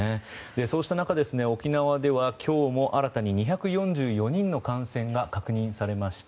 そうした中、沖縄では今日も新たに２４４人の感染が確認されました。